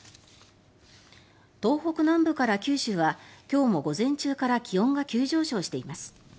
東北南部から九州は今日も午前中から気温が急上昇しています。